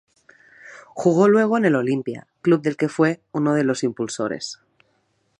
Jugó luego en el Olimpia, club del que fue uno de los impulsores.